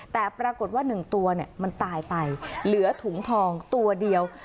แต่ปรากฏว่า๑ตัวมันตายไปเหลือถุงทองตัวเดียว